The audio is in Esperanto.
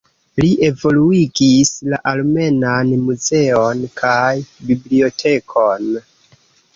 Li evoluigis la armenan muzeon kaj bibliotekon.